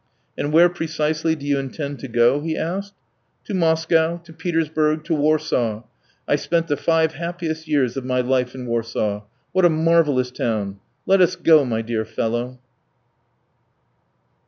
"And where precisely do you intend to go?" he asked. "To Moscow, to Petersburg, to Warsaw. ... I spent the five happiest years of my life in Warsaw. What a marvellous town! Let us go, my dear fellow!"